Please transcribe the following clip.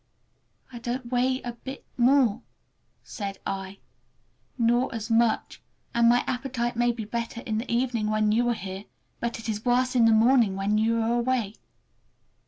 "I don't weigh a bit more," said I, "nor as much; and my appetite may be better in the evening, when you are here, but it is worse in the morning when you are away."